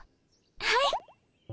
はい！